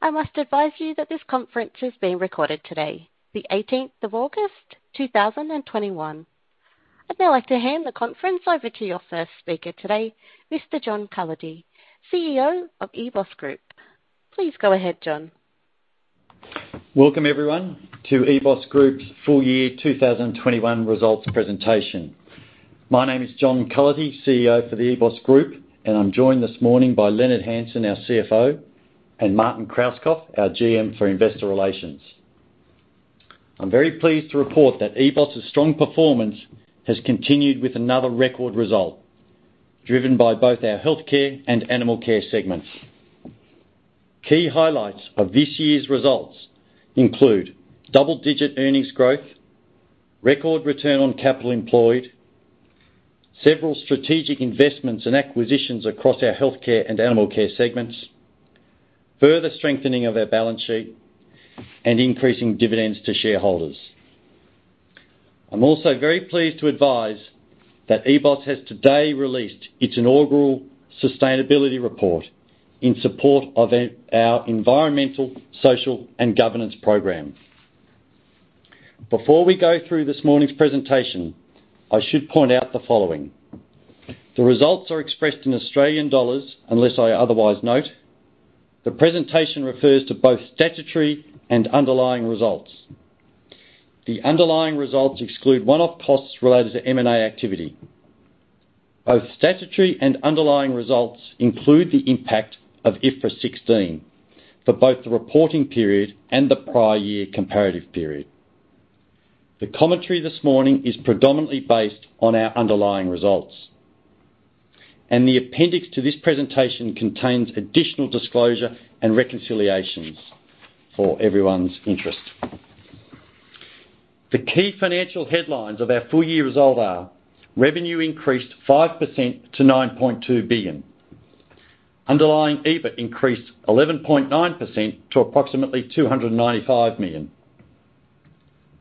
I must advise you that this conference is being recorded today, the 18th of August 2021. I'd now like to hand the conference over to your first speaker today, Mr. John Cullity, CEO of EBOS Group. Please go ahead, John. Welcome, everyone, to EBOS Group's Full Year 2021 Results Presentation. My name is John Cullity, CEO for the EBOS Group, and I'm joined this morning by Leonard Hansen, our CFO, and Martin Krauskopf, our GM for Investor Relations. I'm very pleased to report that EBOS' strong performance has continued with another record result, driven by both our Healthcare and Animal Care segments. Key highlights of this year's results include double-digit earnings growth, record return on capital employed, several strategic investments and acquisitions across our Healthcare and Animal Care segments, further strengthening of our balance sheet, and increasing dividends to shareholders. I'm also very pleased to advise that EBOS has today released its inaugural sustainability report in support of our Environmental, Social, and Governance program. Before we go through this morning's presentation, I should point out the following. The results are expressed in Australian dollars, unless I otherwise note. The presentation refers to both statutory and underlying results. The underlying results exclude one-off costs related to M&A activity. Both statutory and underlying results include the impact of IFRS 16 for both the reporting period and the prior year comparative period. The commentary this morning is predominantly based on our underlying results, and the appendix to this presentation contains additional disclosure and reconciliations for everyone's interest. The key financial headlines of our full year result are: Revenue increased 5% to 9.2 billion. Underlying EBIT increased 11.9% to approximately AUD 295 million.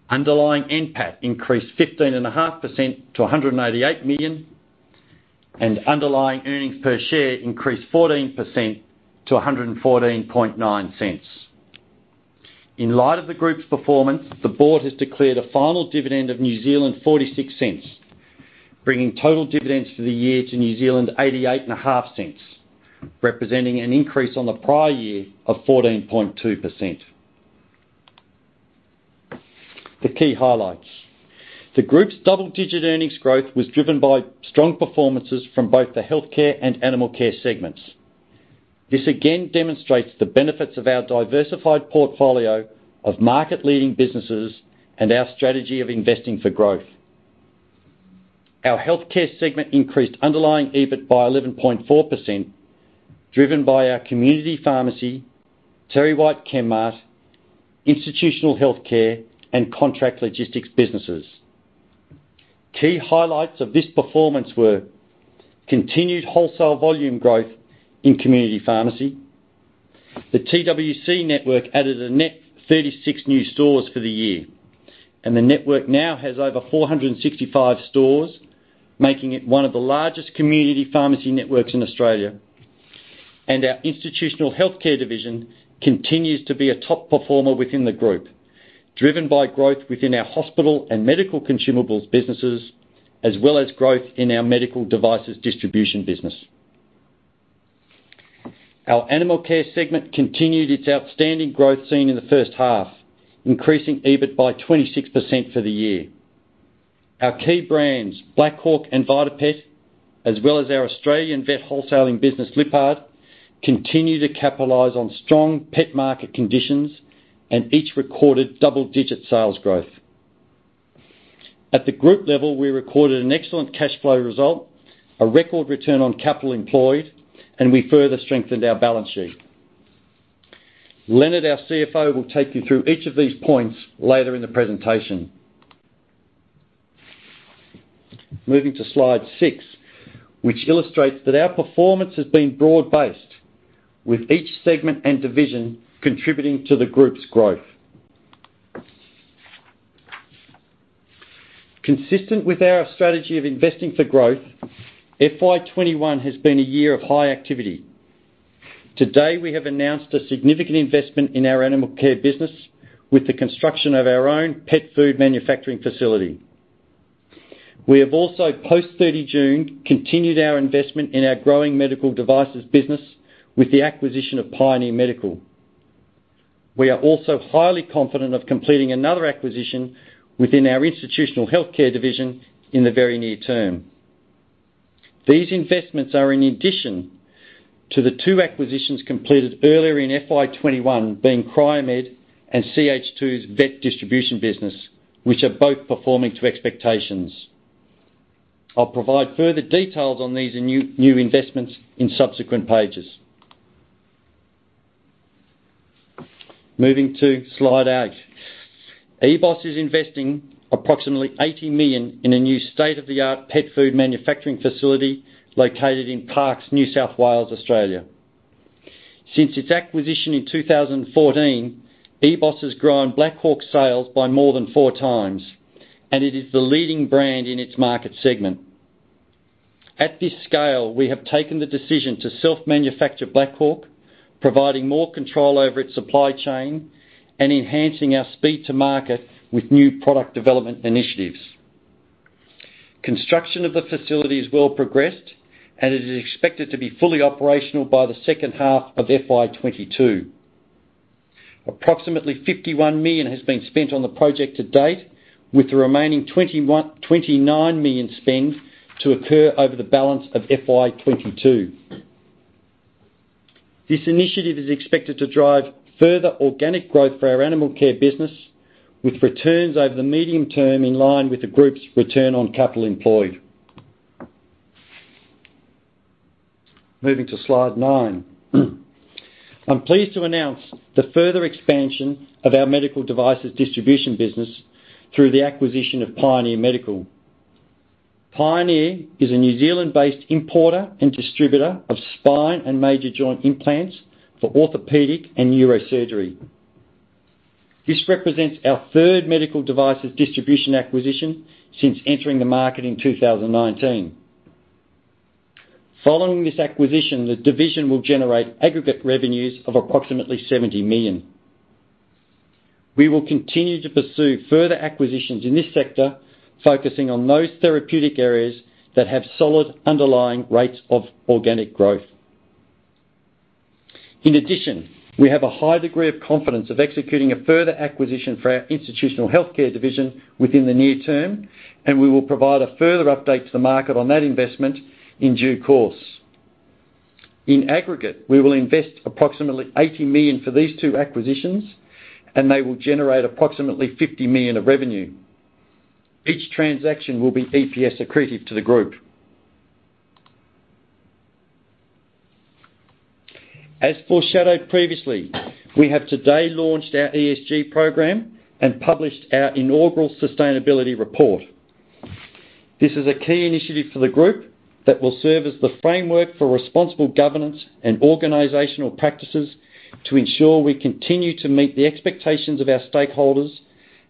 Underlying NPAT increased 15.5% to AUD 188 million. Underlying earnings per share increased 14% to 1.149. In light of the group's performance, the board has declared a final dividend of 0.46, bringing total dividends for the year to 0.885, representing an increase on the prior year of 14.2%. The key highlights. The group's double-digit earnings growth was driven by strong performances from both the Healthcare and Animal Care segments. This again demonstrates the benefits of our diversified portfolio of market-leading businesses and our strategy of investing for growth. Our Healthcare segment increased underlying EBIT by 11.4%, driven by our community pharmacy, TerryWhite Chemmart, institutional healthcare, and contract logistics businesses. Key highlights of this performance were: Continued wholesale volume growth in community pharmacy. The TWC network added a net 36 new stores for the year, the network now has over 465 stores, making it one of the largest community pharmacy networks in Australia. Our institutional healthcare division continues to be a top performer within the group, driven by growth within our hospital and medical consumables businesses, as well as growth in our medical devices distribution business. Our Animal Care segment continued its outstanding growth seen in the first half, increasing EBIT by 26% for the year. Our key brands, Black Hawk and VitaPet, as well as our Australian vet wholesaling business, Lyppard, continue to capitalize on strong pet market conditions and each recorded double-digit sales growth. At the group level, we recorded an excellent cash flow result, a record return on capital employed, and we further strengthened our balance sheet. Leonard, our CFO, will take you through each of these points later in the presentation. Moving to slide six, which illustrates that our performance has been broad-based, with each segment and division contributing to the group's growth. Consistent with our strategy of investing for growth, FY 2021 has been a year of high activity. Today, we have announced a significant investment in our animal care business with the construction of our own pet food manufacturing facility. We have also, post-30 June, continued our investment in our growing medical devices business with the acquisition of Pioneer Medical. We are also highly confident of completing another acquisition within our institutional healthcare division in the very near term. These investments are in addition to the two acquisitions completed earlier in FY 2021 being Cryomed and CH2's vet distribution business, which are both performing to expectations. I'll provide further details on these new investments in subsequent pages. Moving to slide eight. EBOS is investing approximately 80 million in a new state-of-the-art pet food manufacturing facility located in Parkes, New South Wales, Australia. Since its acquisition in 2014, EBOS has grown Black Hawk sales by more than four times, and it is the leading brand in its market segment. At this scale, we have taken the decision to self-manufacture Black Hawk, providing more control over its supply chain and enhancing our speed to market with new product development initiatives. Construction of the facility is well progressed, and it is expected to be fully operational by the second half of FY 2022. Approximately 51 million has been spent on the project to date, with the remaining 29 million spend to occur over the balance of FY 2022. This initiative is expected to drive further organic growth for our animal care business, with returns over the medium term in line with the group's return on capital employed. Moving to slide nine. I'm pleased to announce the further expansion of our medical devices distribution business through the acquisition of Pioneer Medical. Pioneer is a New Zealand-based importer and distributor of spine and major joint implants for orthopedic and neurosurgery. This represents our third medical devices distribution acquisition since entering the market in 2019. Following this acquisition, the division will generate aggregate revenues of approximately 70 million. We will continue to pursue further acquisitions in this sector, focusing on those therapeutic areas that have solid underlying rates of organic growth. In addition, we have a high degree of confidence of executing a further acquisition for our institutional healthcare division within the near term, and we will provide a further update to the market on that investment in due course. In aggregate, we will invest approximately 80 million for these two acquisitions, and they will generate approximately 50 million of revenue. Each transaction will be EPS accretive to the group. As foreshadowed previously, we have today launched our ESG program and published our inaugural Sustainability Report. This is a key initiative for the group that will serve as the framework for responsible governance and organizational practices to ensure we continue to meet the expectations of our stakeholders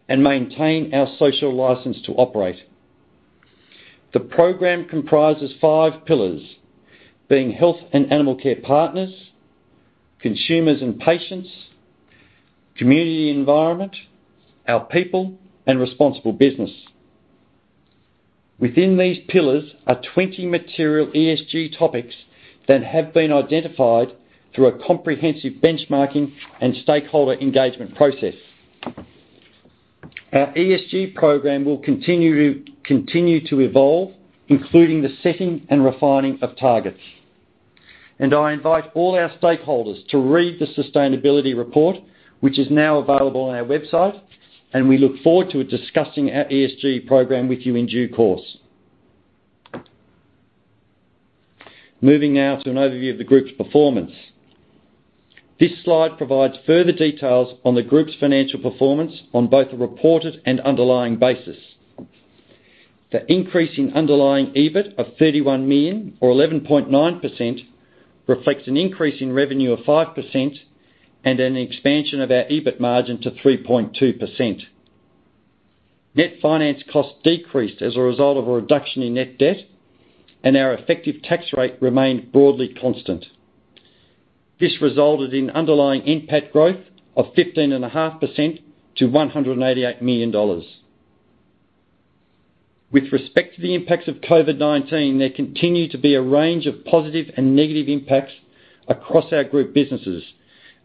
and maintain our social license to operate. The program comprises five pillars, being Health & Animal Care Partners, Consumers & Patients, Community Environment, Our People, and Responsible Business. Within these pillars are 20 material ESG topics that have been identified through a comprehensive benchmarking and stakeholder engagement process. Our ESG program will continue to evolve, including the setting and refining of targets. I invite all our stakeholders to read the Sustainability Report, which is now available on our website, and we look forward to discussing our ESG program with you in due course. Moving now to an overview of the group's performance. This slide provides further details on the group's financial performance on both a reported and underlying basis. The increase in underlying EBIT of 31 million or 11.9% reflects an increase in revenue of 5% and an expansion of our EBIT margin to 3.2%. Net finance costs decreased as a result of a reduction in net debt, and our effective tax rate remained broadly constant. This resulted in underlying NPAT growth of 15.5% to 188 million dollars. With respect to the impacts of COVID-19, there continue to be a range of positive and negative impacts across our group businesses,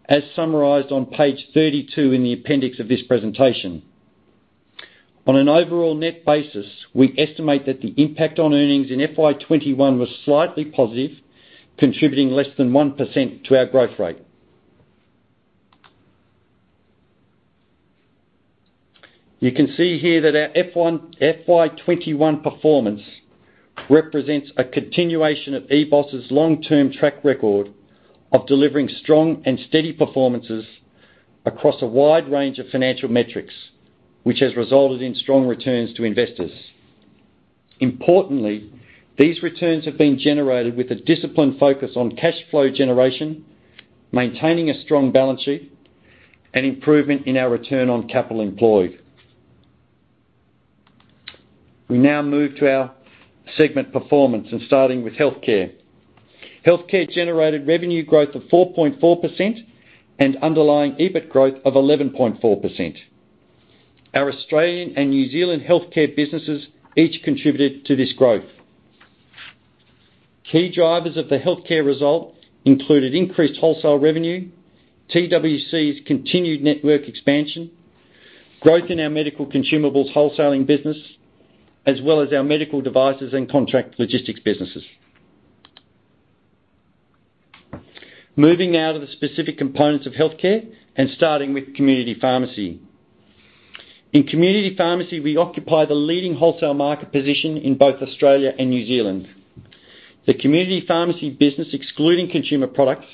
as summarized on page 32 in the appendix of this presentation. On an overall net basis, we estimate that the impact on earnings in FY 2021 was slightly positive, contributing less than 1% to our growth rate. You can see here that our FY 2021 performance represents a continuation of EBOS's long-term track record of delivering strong and steady performances across a wide range of financial metrics, which has resulted in strong returns to investors. Importantly, these returns have been generated with a disciplined focus on cash flow generation, maintaining a strong balance sheet, and improvement in our return on capital employed. We now move to our segment performance and starting with healthcare. Healthcare generated revenue growth of 4.4% and underlying EBIT growth of 11.4%. Our Australian and New Zealand healthcare businesses each contributed to this growth. Key drivers of the healthcare result included increased wholesale revenue, TWC's continued network expansion, growth in our medical consumables wholesaling business, as well as our medical devices and contract logistics businesses. Moving now to the specific components of healthcare and starting with community pharmacy. In community pharmacy, we occupy the leading wholesale market position in both Australia and New Zealand. The community pharmacy business, excluding consumer products,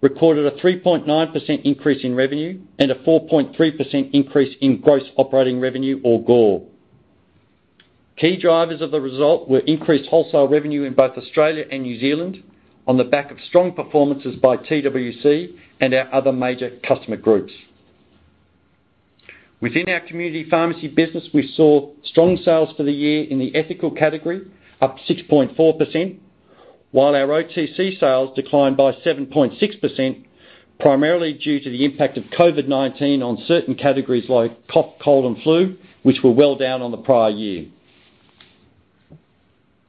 recorded a 3.9% increase in revenue and a 4.3% increase in gross operating revenue or GOR. Key drivers of the result were increased wholesale revenue in both Australia and New Zealand on the back of strong performances by TWC and our other major customer groups. Within our community pharmacy business, we saw strong sales for the year in the ethical category, up 6.4%, while our OTC sales declined by 7.6%, primarily due to the impact of COVID-19 on certain categories like cough, cold, and flu, which were well down on the prior year.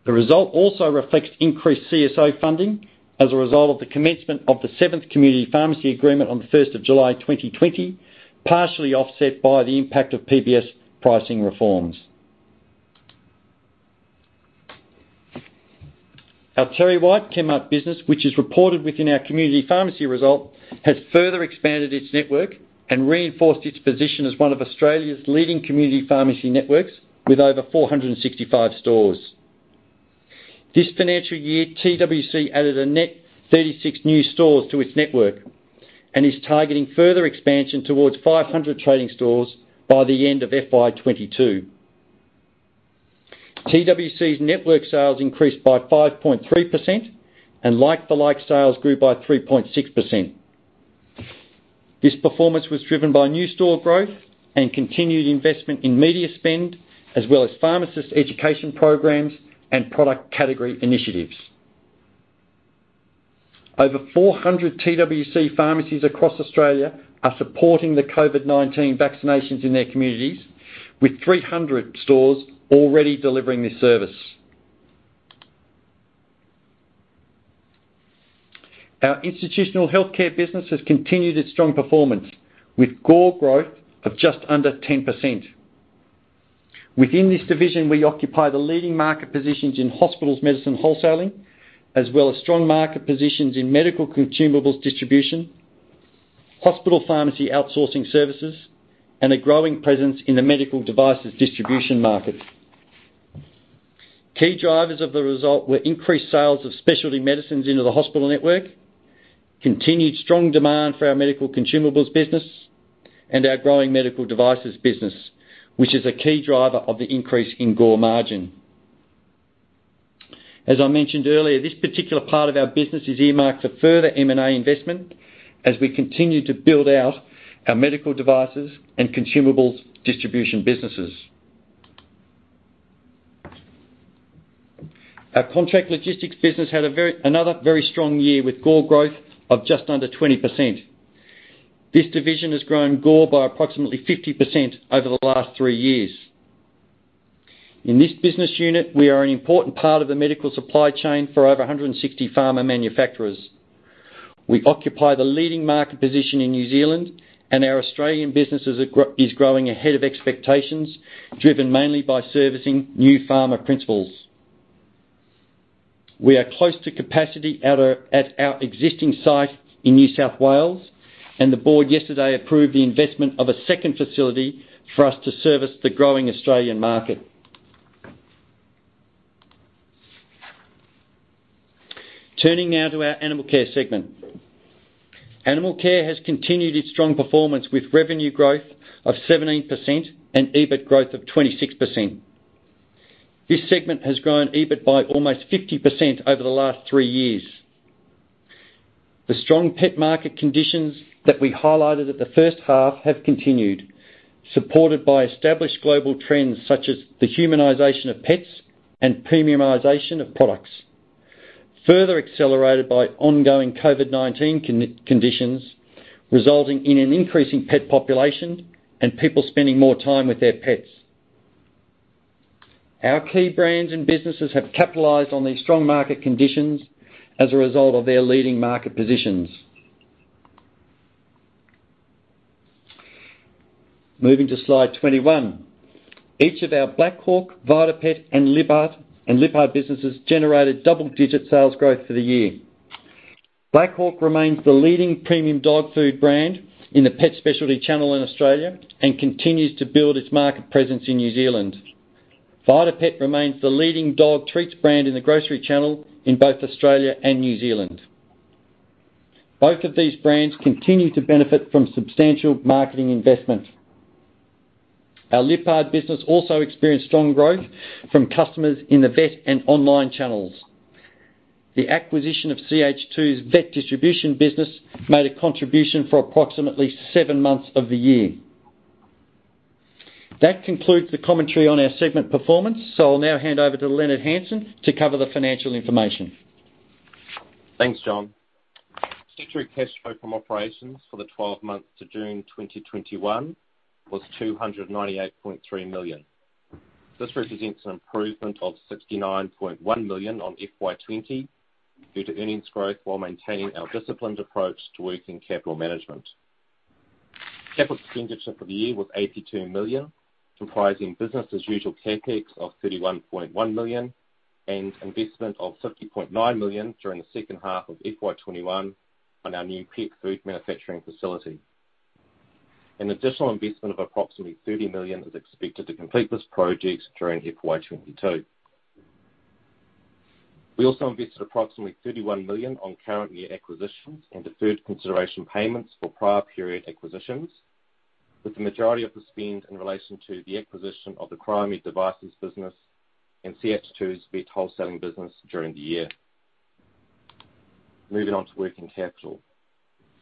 The result also reflects increased CSO funding as a result of the commencement of the Seventh Community Pharmacy Agreement on the 1st of July 2020, partially offset by the impact of PBS pricing reforms. Our TerryWhite Chemmart business, which is reported within our community pharmacy result, has further expanded its network and reinforced its position as one of Australia's leading community pharmacy networks, with over 465 stores. This financial year, TWC added a net 36 new stores to its network and is targeting further expansion towards 500 trading stores by the end of FY 2022. TWC's network sales increased by 5.3%, and like-for-like sales grew by 3.6%. This performance was driven by new store growth and continued investment in media spend, as well as pharmacist education programs and product category initiatives. Over 400 TWC pharmacies across Australia are supporting the COVID-19 vaccinations in their communities, with 300 stores already delivering this service. Our institutional healthcare business has continued its strong performance, with GOR growth of just under 10%. Within this division, we occupy the leading market positions in hospitals' medicine wholesaling, as well as strong market positions in medical consumables distribution, hospital pharmacy outsourcing services, and a growing presence in the medical devices distribution market. Key drivers of the result were increased sales of specialty medicines into the hospital network, continued strong demand for our medical consumables business, and our growing medical devices business, which is a key driver of the increase in GOR margin. As I mentioned earlier, this particular part of our business is earmarked for further M&A investment as we continue to build out our medical devices and consumables distribution businesses. Our contract logistics business had another very strong year, with GOR growth of just under 20%. This division has grown GOR by approximately 50% over the last three years. In this business unit, we are an important part of the medical supply chain for over 160 pharma manufacturers. We occupy the leading market position in New Zealand, and our Australian business is growing ahead of expectations, driven mainly by servicing new pharma principals. We are close to capacity at our existing site in New South Wales, and the board yesterday approved the investment of a second facility for us to service the growing Australian market. Turning now to our Animal Care segment. Animal care has continued its strong performance, with revenue growth of 17% and EBIT growth of 26%. This segment has grown EBIT by almost 50% over the last three years. The strong pet market conditions that we highlighted at the first half have continued, supported by established global trends such as the humanization of pets and premiumization of products, further accelerated by ongoing COVID-19 conditions, resulting in an increasing pet population and people spending more time with their pets. Our key brands and businesses have capitalized on these strong market conditions as a result of their leading market positions. Moving to slide 21. Each of our Black Hawk, VitaPet, and Lyppard businesses generated double-digit sales growth for the year. Black Hawk remains the leading premium dog food brand in the pet specialty channel in Australia and continues to build its market presence in New Zealand. VitaPet remains the leading dog treats brand in the grocery channel in both Australia and New Zealand. Both of these brands continue to benefit from substantial marketing investment. Our Lyppard business also experienced strong growth from customers in the vet and online channels. The acquisition of CH2's vet distribution business made a contribution for approximately seven months of the year. That concludes the commentary on our segment performance. I'll now hand over to Leonard Hansen to cover the financial information. Thanks, John. Statutory cash flow from operations for the 12 months to June 2021 was 298.3 million. This represents an improvement of 69.1 million on FY 2020 due to earnings growth while maintaining our disciplined approach to working capital management. Capital expenditure for the year was 82 million, comprising business-as-usual CapEx of 31.1 million and investment of 50.9 million during the second half of FY 2021 on our new pet food manufacturing facility. An additional investment of approximately 30 million is expected to complete this project during FY 2022. We also invested approximately 31 million on current year acquisitions and deferred consideration payments for prior period acquisitions, with the majority of the spend in relation to the acquisition of the Cryomed devices business and CH2's vet wholesaling business during the year. Moving on to working capital.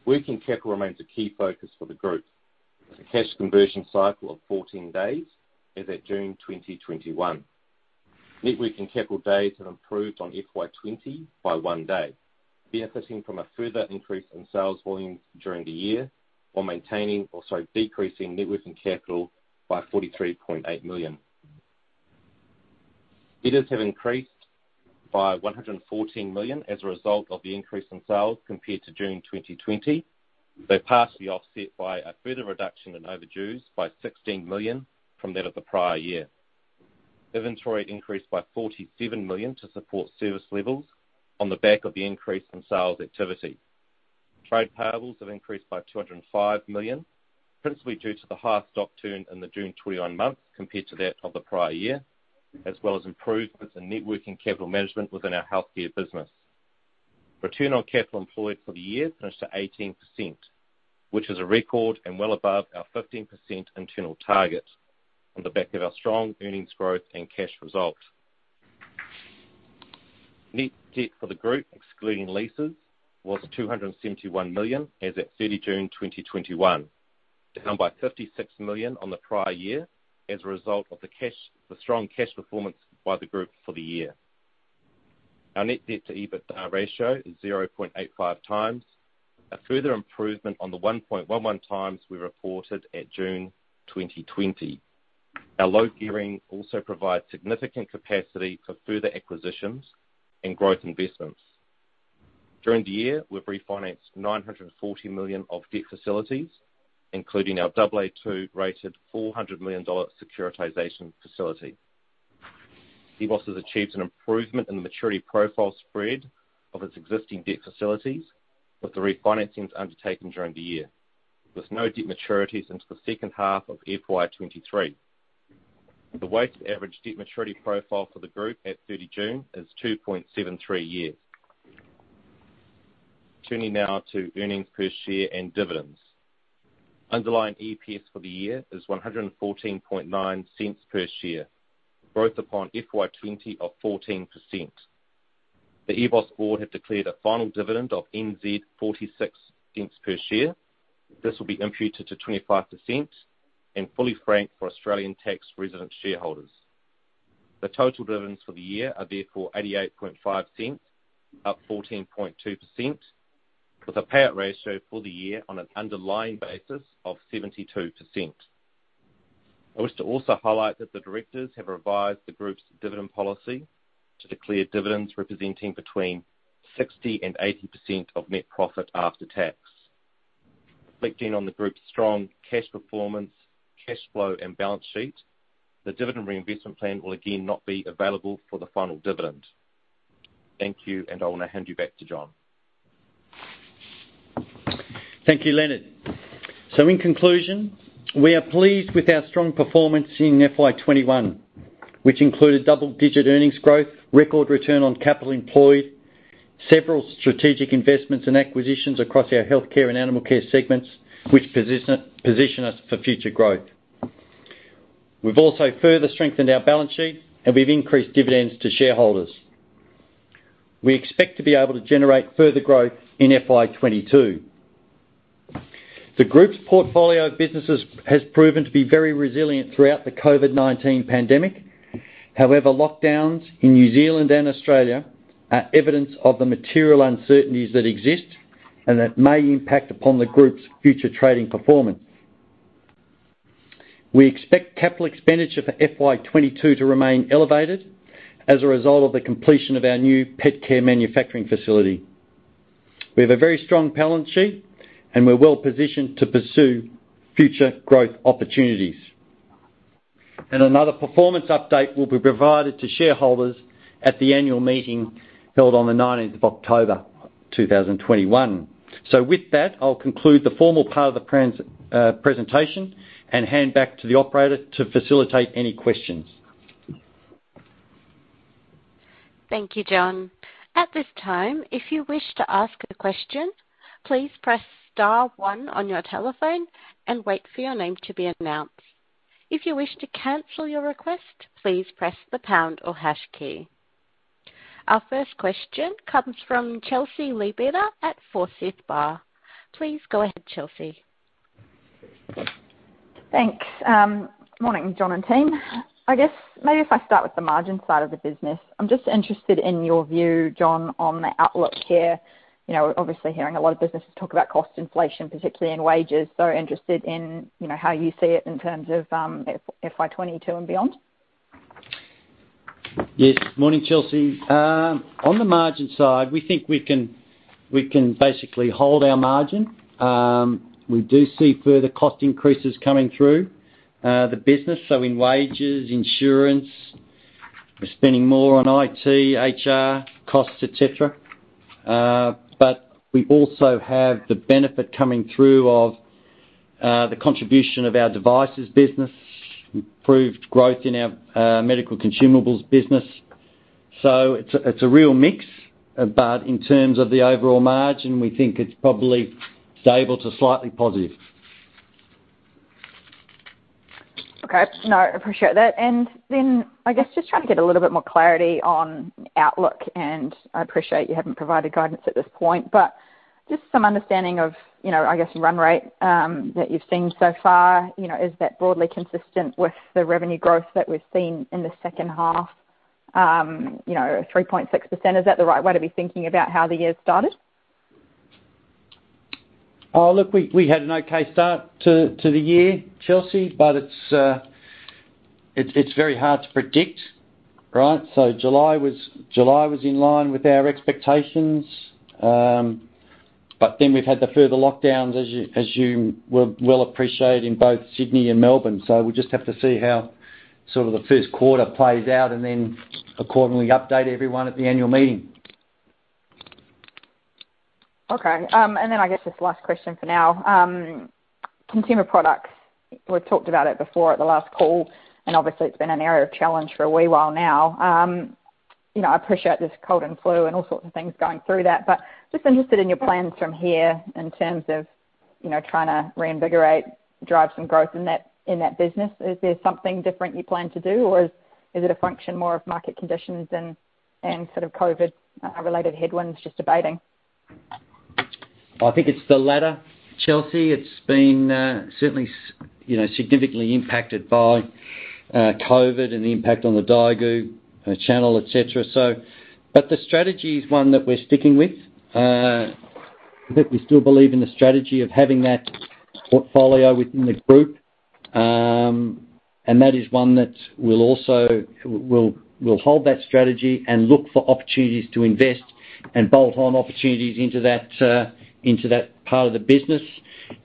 Working capital remains a key focus for the group, with a cash conversion cycle of 14 days as at June 2021. Net working capital days have improved on FY 2020 by one day, benefiting from a further increase in sales volumes during the year while maintaining or, sorry, decreasing net working capital by 43.8 million. Debtors have increased by 114 million as a result of the increase in sales compared to June 2020. They are partially offset by a further reduction in overdues by 16 million from that of the prior year. Inventory increased by 47 million to support service levels on the back of the increase in sales activity. Trade payables have increased by 205 million, principally due to the higher stock turn in the June 2021 month compared to that of the prior year, as well as improvements in net working capital management within our healthcare business. Return on capital employed for the year finished at 18%, which is a record and well above our 15% internal target on the back of our strong earnings growth and cash result. Net debt for the group, excluding leases, was 271 million as at 30 June 2021, down by 56 million on the prior year as a result of the strong cash performance by the group for the year. Our net debt to EBITDA ratio is 0.85 times, a further improvement on the 1.11 times we reported at June 2020. Our low gearing also provides significant capacity for further acquisitions and growth investments. During the year, we've refinanced 940 million of debt facilities, including our Aa2-rated 400 million dollar securitization facility. EBOS has achieved an improvement in the maturity profile spread of its existing debt facilities with the refinancings undertaken during the year, with no debt maturities until the second half of FY 2023. The weighted average debt maturity profile for the group at 30 June is 2.73 years. Turning now to earnings per share and dividends. Underlying EPS for the year is 1.149 per share, growth upon FY 2020 of 14%. The EBOS board have declared a final dividend of 0.46 per share. This will be imputed to 25% and fully franked for Australian tax resident shareholders. The total dividends for the year are therefore 0.885, up 14.2%, with a payout ratio for the year on an underlying basis of 72%. I wish to also highlight that the directors have revised the group's dividend policy to declare dividends representing between 60% and 80% of net profit after tax. Reflecting on the group's strong cash performance, cash flow and balance sheet, the dividend reinvestment plan will again not be available for the final dividend. Thank you, and I'll now hand you back to John. Thank you, Leonard. In conclusion, we are pleased with our strong performance in FY 2021, which included double-digit earnings growth, record return on capital employed, several strategic investments and acquisitions across our Healthcare and Animal Care segments, which position us for future growth. We've also further strengthened our balance sheet, and we've increased dividends to shareholders. We expect to be able to generate further growth in FY 2022. The group's portfolio of businesses has proven to be very resilient throughout the COVID-19 pandemic. However, lockdowns in New Zealand and Australia are evidence of the material uncertainties that exist and that may impact upon the group's future trading performance. We expect capital expenditure for FY 2022 to remain elevated as a result of the completion of our new pet care manufacturing facility. We have a very strong balance sheet, and we're well-positioned to pursue future growth opportunities. Another performance update will be provided to shareholders at the annual meeting held on the 19th of October 2021. With that, I'll conclude the formal part of the presentation and hand back to the operator to facilitate any questions. Thank you, John. At this time, if you wish to ask a question, please press star one on your telephone and wait for your name to be announced. If you wish to cancel your request, please press the pound or hash key. Our first question comes from Chelsea Leadbetter at Forsyth Barr. Please go ahead, Chelsea. Thanks. Morning, John and team. I guess maybe if I start with the margin side of the business. I'm just interested in your view, John, on the outlook here. Obviously hearing a lot of businesses talk about cost inflation, particularly in wages. Interested in how you see it in terms of FY 2022 and beyond. Yes. Morning, Chelsea. On the margin side, we think we can basically hold our margin. We do see further cost increases coming through the business, so in wages, insurance. We're spending more on IT, HR costs, et cetera. We also have the benefit coming through of the contribution of our devices business, improved growth in our medical consumables business. It's a real mix. In terms of the overall margin, we think it's probably stable to slightly positive. Okay. No, I appreciate that. I guess, just trying to get a little bit more clarity on outlook, and I appreciate you haven't provided guidance at this point, but just some understanding of, I guess, run rate that you've seen so far. Is that broadly consistent with the revenue growth that we've seen in the second half, 3.6%? Is that the right way to be thinking about how the year started? We had an okay start to the year, Chelsea, but it's very hard to predict. July was in line with our expectations, but then we've had the further lockdowns, as you well appreciate, in both Sydney and Melbourne. We'll just have to see how the first quarter plays out and then accordingly update everyone at the annual meeting. Okay. I guess this is the last question for now. Consumer products, we've talked about it before at the last call, and obviously it's been an area of challenge for a wee while now. I appreciate there's cold and flu and all sorts of things going through that, but just interested in your plans from here in terms of trying to reinvigorate, drive some growth in that business. Is there something different you plan to do, or is it a function more of market conditions and COVID-related headwinds just abating? I think it's the latter, Chelsea. It's been certainly significantly impacted by COVID and the impact on the D2C channel, et cetera. The strategy is one that we're sticking with. I think we still believe in the strategy of having that portfolio within the group, and that is one that we'll hold that strategy and look for opportunities to invest and bolt on opportunities into that part of the business.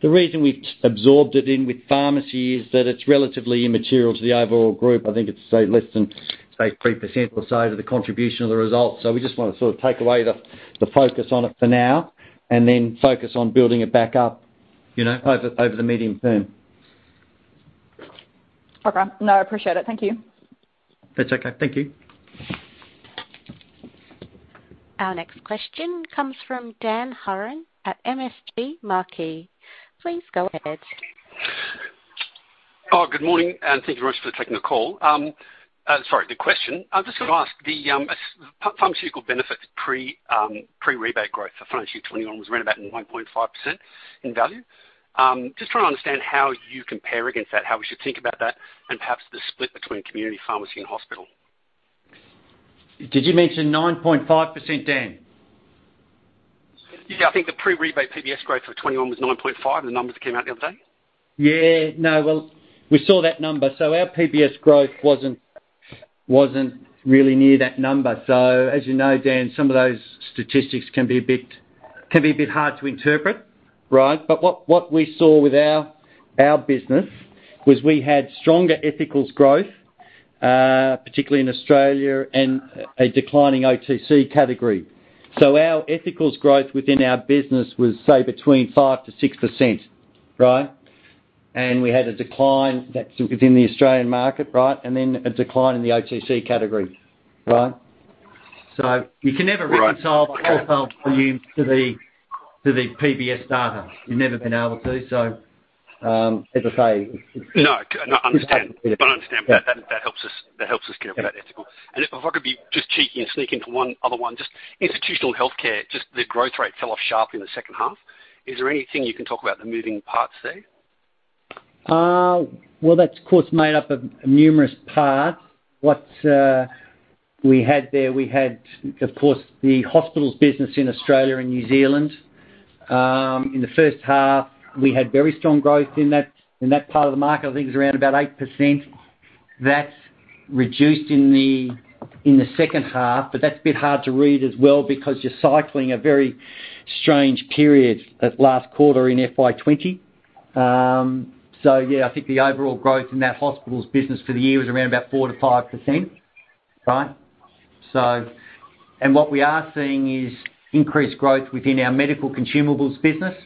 The reason we've absorbed it in with pharmacy is that it's relatively immaterial to the overall group. I think it's, say, less than, say, 3% or so to the contribution of the results. We just want to sort of take away the focus on it for now and then focus on building it back up over the medium term. Okay. No, I appreciate it. Thank you. That's okay. Thank you. Our next question comes from Dan Hurren at MST Marquee. Please go ahead. Good morning, thank you very much for taking the call. Sorry, the question. I'm just going to ask, the pharmaceutical benefits pre-rebate growth for financial 2021 was around about 9.5% in value. Just trying to understand how you compare against that, how we should think about that, and perhaps the split between community pharmacy and hospital. Did you mention 9.5%, Dan? Yeah, I think the pre-rebate PBS growth for 2021 was 9.5%, the numbers that came out the other day. Yeah. No. Well, we saw that number. Our PBS growth wasn't really near that number. As you know, Dan, some of those statistics can be a bit hard to interpret. What we saw with our business was we had stronger ethicals growth, particularly in Australia, and a declining OTC category. Our ethicals growth within our business was, say, between 5%-6%. We had a decline that's within the Australian market, and then a decline in the OTC category. You can never reconcile the wholesale volume to the PBS data. We've never been able to. No, I understand. I understand. That helps us get over that ethical. If I could be just cheeky and sneak into one other one, just institutional healthcare, just the growth rate fell off sharply in the second half. Is there anything you can talk about the moving parts there? That's of course, made up of numerous parts. What we had there, we had, of course, the hospitals business in Australia and New Zealand. In the first half, we had very strong growth in that part of the market. I think it was around about 8%. That's reduced in the second half, but that's a bit hard to read as well because you're cycling a very strange period that last quarter in FY 2020. Yeah, I think the overall growth in that hospitals business for the year was around about 4%-5%. What we are seeing is increased growth within our medical consumables business,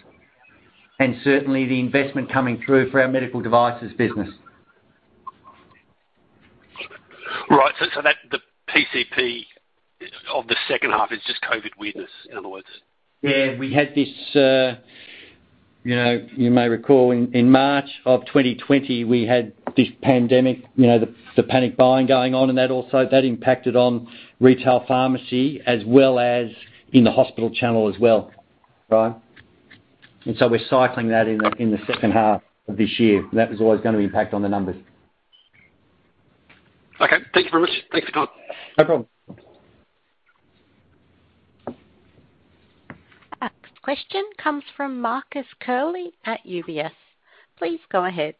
and certainly the investment coming through for our medical devices business. Right. The PCP of the second half is just COVID weirdness, in other words. Yeah, we had this, you may recall, in March of 2020, we had this pandemic, the panic buying going on, and that also impacted on retail pharmacy as well as in the hospital channel as well. We're cycling that in the second half of this year. That was always going to impact on the numbers. Okay. Thank you very much. Thanks for your time. No problem. Our next question comes from Marcus Curley at UBS. Please go ahead.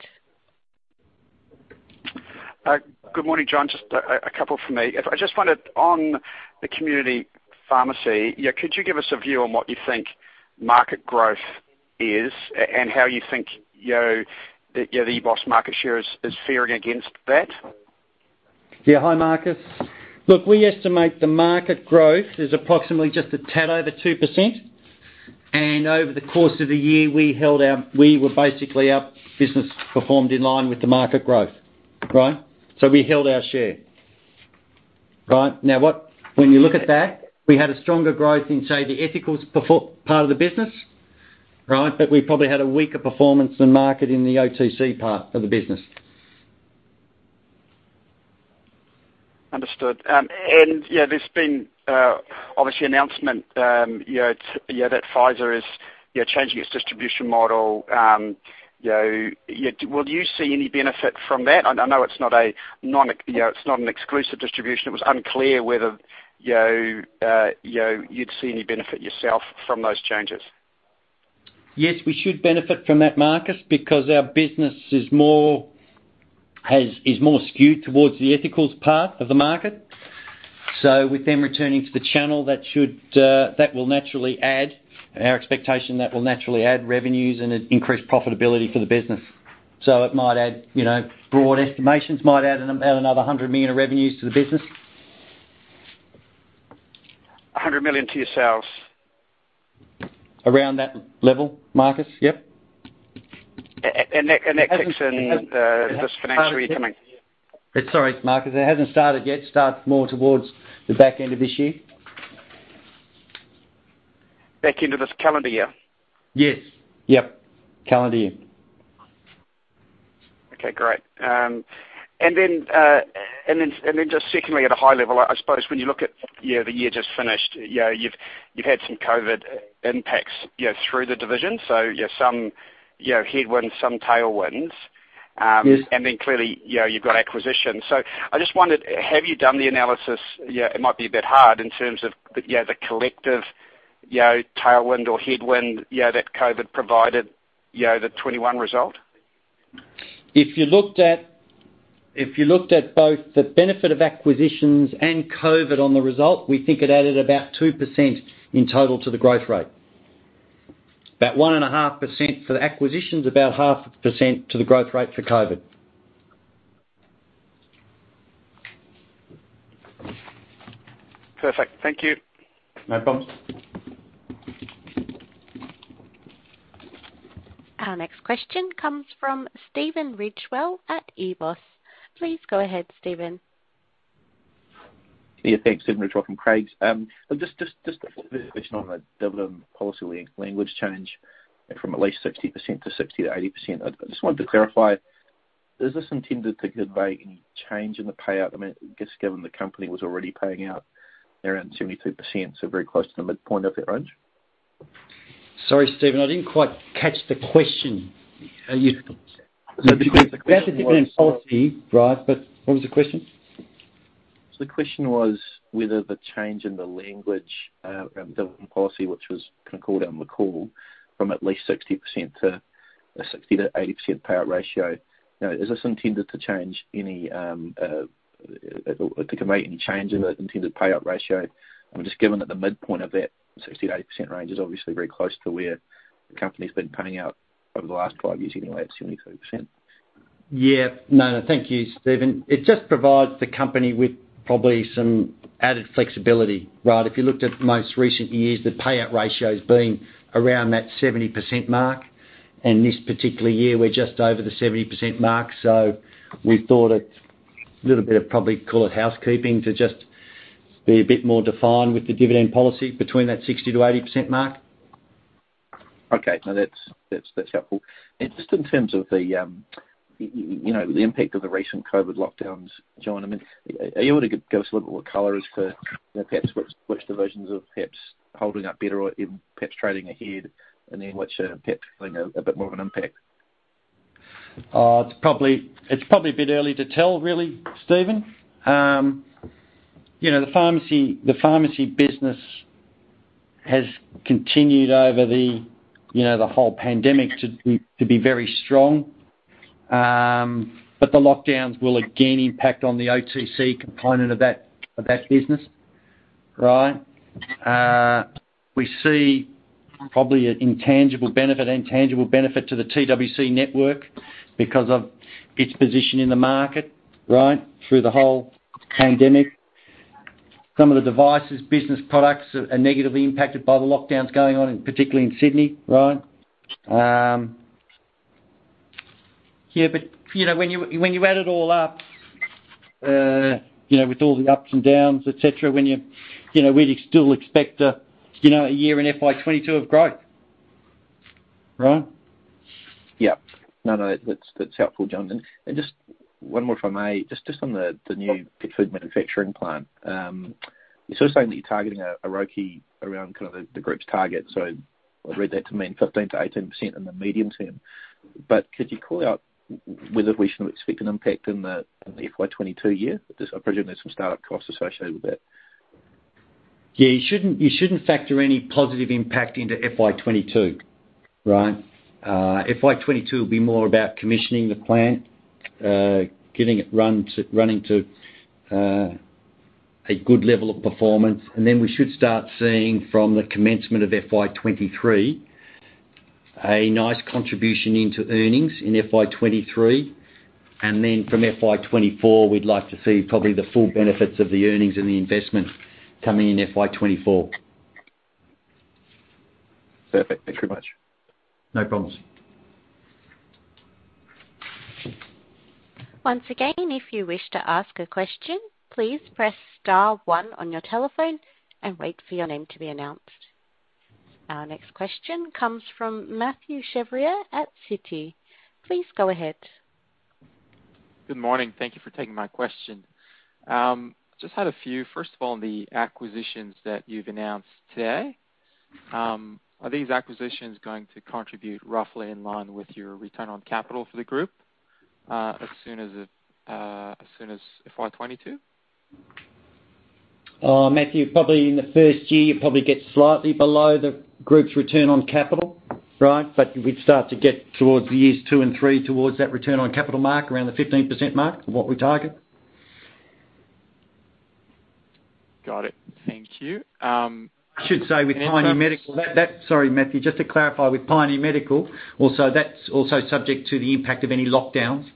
Good morning, John. Just a couple from me. I just wondered, on the community pharmacy, could you give us a view on what you think market growth is and how you think the EBOS market share is faring against that? Yeah. Hi, Marcus. Look, we estimate the market growth is approximately just a tad over 2%, and over the course of the year, basically our business performed in line with the market growth. We held our share. Right. Now, when you look at that, we had a stronger growth in, say, the ethical part of the business. We probably had a weaker performance in market in the OTC part of the business. Understood. There's been, obviously, announcement, that Pfizer is changing its distribution model. Will you see any benefit from that? I know it's not an exclusive distribution. It was unclear whether you'd see any benefit yourself from those changes. Yes, we should benefit from that, Marcus, because our business is more skewed towards the ethical part of the market. With them returning to the channel, that will naturally add. Our expectation, that will naturally add revenues and increase profitability for the business. Broad estimations might add another 100 million of revenues to the business. 100 million to your sales? Around that level, Marcus. Yep. That kicks in this financial year coming? Sorry, Marcus, it hasn't started yet. Starts more towards the back end of this year. Back end of this calendar year? Yes. Yep. Calendar year. Okay, great. Just secondly, at a high level, I suppose when you look at the year just finished, you've had some COVID impacts through the division. Some headwinds, some tailwinds. Yes. Clearly, you've got acquisitions. I just wondered, have you done the analysis? It might be a bit hard in terms of the collective tailwind or headwind that COVID provided the 2021 result. If you looked at both the benefit of acquisitions and COVID on the result, we think it added about 2% in total to the growth rate. About 1.5% for the acquisitions, about 0.5% to the growth rate for COVID. Perfect. Thank you. No problems. Our next question comes from Stephen Ridgewell at EBOS. Please go ahead, Stephen. Yeah, thanks. Stephen Ridgewell from Craigs. Just a quick question on the dividend policy language change from at least 60% to 60%-80%. I just wanted to clarify, is this intended to convey any change in the payout amount, just given the company was already paying out around 72%, so very close to the midpoint of that range? Sorry, Stephen, I didn't quite catch the question. The question was- About the dividend policy, right? What was the question? The question was whether the change in the language around dividend policy, which was kind of called out in the call from at least 60% to a 60%-80% payout ratio, is this intended to convey any change in the intended payout ratio? Just given that the midpoint of that 60%-80% range is obviously very close to where the company's been paying out over the last five years anyway at 72%. Yeah. No, thank you, Stephen. It just provides the company with probably some added flexibility. If you looked at most recent years, the payout ratio's been around that 70% mark, and this particular year, we're just over the 70% mark. We thought a little bit of probably call it housekeeping to just be a bit more defined with the dividend policy between that 60%-80% mark. Okay. No, that's helpful. Just in terms of the impact of the recent COVID lockdowns, John, are you able to give us a little bit more color as to perhaps which divisions are perhaps holding up better or even perhaps trading ahead, and then which are perhaps feeling a bit more of an impact? It's probably a bit early to tell, really, Stephen. The pharmacy business has continued over the whole pandemic to be very strong. The lockdowns will again impact on the OTC component of that business. We see probably an intangible benefit and tangible benefit to the TWC network because of its position in the market through the whole pandemic. Some of the devices, business products are negatively impacted by the lockdowns going on, and particularly in Sydney. When you add it all up, with all the ups and downs, et cetera, we'd still expect a year in FY 2022 of growth. Yeah. No, that is helpful, John. Just one more, if I may. Just on the new pet food manufacturing plant. You are sort of saying that you are targeting a ROCE around kind of the group's target. I read that to mean 15%-18% in the medium term. Could you call out whether we should expect an impact in the FY 2022 year? I appreciate there is some start-up costs associated with it. Yeah, you shouldn't factor any positive impact into FY 2022. FY 2022 will be more about commissioning the plant, getting it running to a good level of performance, and then we should start seeing from the commencement of FY 2023 a nice contribution into earnings in FY 2023, and then from FY 2024, we'd like to see probably the full benefits of the earnings and the investment coming in FY 2024. Perfect. Thank you very much. No problems. Once again, if you wish to ask a question, please press star one on your telephone and wait for your name to be announced. Our next question comes from Mathieu Chevrier at Citi. Please go ahead. Good morning. Thank you for taking my question. Just had a few. First of all, on the acquisitions that you've announced today, are these acquisitions going to contribute roughly in line with your return on capital for the group, as soon as FY 2022? Mathieu, probably in the first year, you probably get slightly below the group's return on capital, right? But we'd start to get towards the years two and three towards that return on capital mark, around the 15% mark of what we target. Got it. Thank you. I should say with Pioneer Medical, sorry, Mathieu, just to clarify, with Pioneer Medical, that's also subject to the impact of any lockdowns.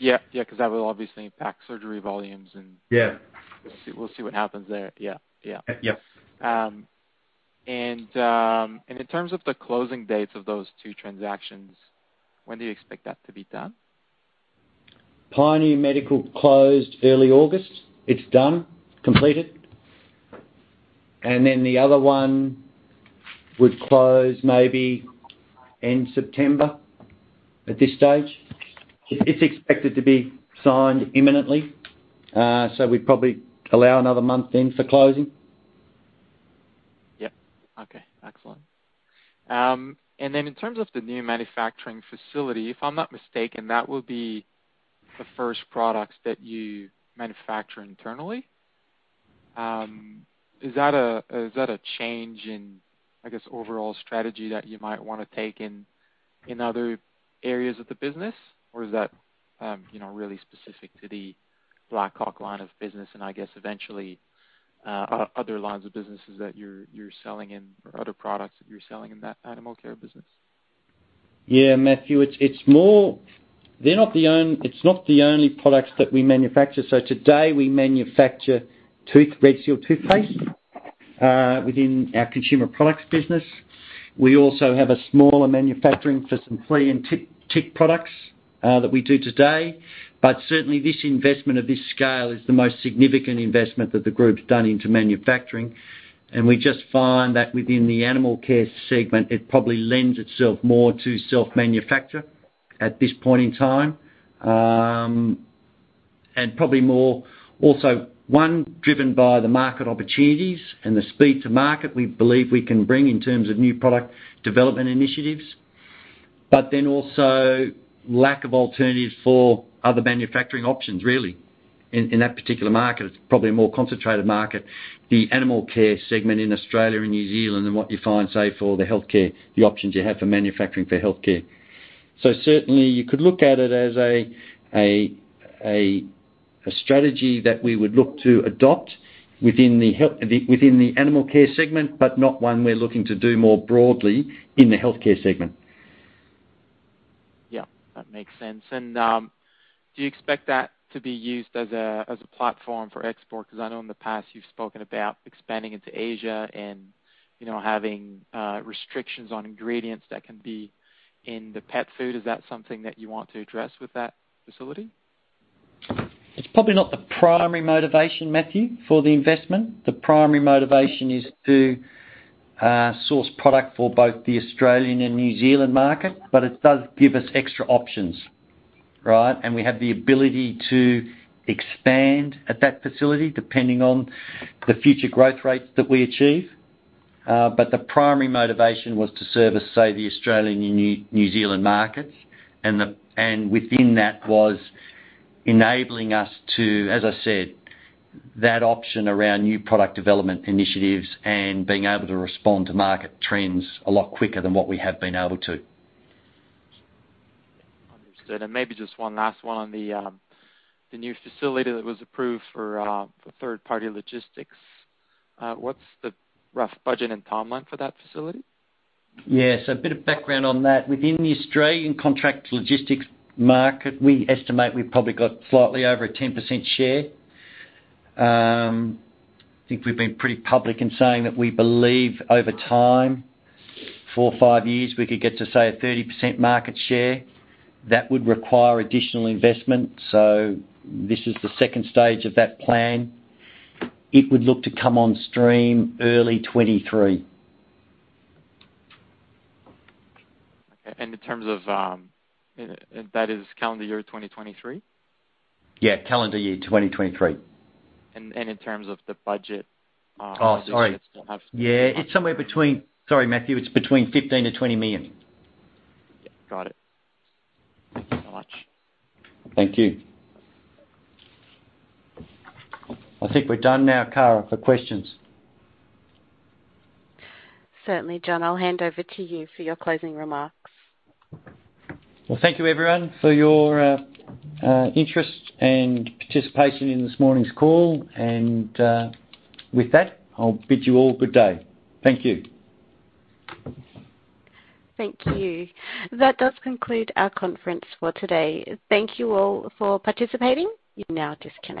Yeah. Because that will obviously impact surgery volumes and-. Yeah. We'll see what happens there. Yeah. Yes. In terms of the closing dates of those two transactions, when do you expect that to be done? Pioneer Medical closed early August. It's done, completed. The other one would close maybe end September, at this stage. It's expected to be signed imminently, so we'd probably allow another month in for closing. Yeah. Okay, excellent. In terms of the new manufacturing facility, if I'm not mistaken, that will be the first products that you manufacture internally. Is that a change in, I guess, overall strategy that you might want to take in other areas of the business, or is that really specific to the Black Hawk line of business, and I guess eventually, other lines of businesses that you're selling in or other products that you're selling in that animal care business? Yeah, Mathieu, it's not the only products that we manufacture. Today, we manufacture Red Seal toothpaste within our consumer products business. We also have a smaller manufacturing for some flea and tick products that we do today. Certainly, this investment of this scale is the most significant investment that the group's done into manufacturing, and we just find that within the Animal Care segment, it probably lends itself more to self-manufacture at this point in time. Probably more also, one, driven by the market opportunities and the speed to market we believe we can bring in terms of new product development initiatives, but then also lack of alternatives for other manufacturing options really in that particular market. It's probably a more concentrated market, the Animal Care segment in Australia and New Zealand, than what you find, say, for the healthcare, the options you have for manufacturing for healthcare. Certainly, you could look at it as a strategy that we would look to adopt within the Animal Care segment, but not one we're looking to do more broadly in the Healthcare segment. Yeah, that makes sense. Do you expect that to be used as a platform for export? Because I know in the past you've spoken about expanding into Asia and having restrictions on ingredients that can be in the pet food. Is that something that you want to address with that facility? It's probably not the primary motivation, Mathieu, for the investment. The primary motivation is to source product for both the Australian and New Zealand market, it does give us extra options, right? We have the ability to expand at that facility depending on the future growth rates that we achieve. The primary motivation was to service, say, the Australian and New Zealand markets, and within that was enabling us to, as I said, that option around new product development initiatives and being able to respond to market trends a lot quicker than what we have been able to. Understood. Maybe just one last one on the new facility that was approved for third-party logistics. What's the rough budget and timeline for that facility? Yeah. A bit of background on that. Within the Australian contract logistics market, we estimate we've probably got slightly over a 10% share. I think we've been pretty public in saying that we believe over time, four or five years, we could get to, say, a 30% market share. That would require additional investment, this is the second stage of that plan. It would look to come on stream early 2023. Okay. That is calendar year 2023? Yeah, calendar year 2023. In terms of the budget. Oh, sorry. I just don't have- Yeah. Sorry, Mathieu, it's between 15 million-20 million. Yeah, got it. Thank you so much. Thank you. I think we're done now, Cara, for questions. Certainly, John. I'll hand over to you for your closing remarks. Well, thank you everyone for your interest and participation in this morning's call. With that, I'll bid you all good day. Thank you. Thank you. That does conclude our conference for today. Thank you all for participating. You may now disconnect.